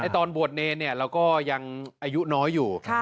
ตอนบวชเนรเราก็ยังอายุน้อยอยู่